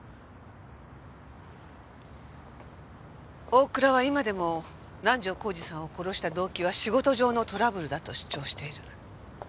大倉は今でも南条晃司さんを殺した動機は仕事上のトラブルだと主張している。